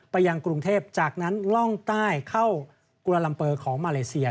ยังกรุงเทพจากนั้นล่องใต้เข้ากุลาลัมเปอร์ของมาเลเซีย